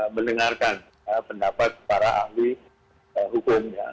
mendengarkan pendapat para ahli hukum ya